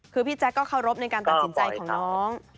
คือพี่แจ๊คก็เคารพในการตัดสินใจของน้อง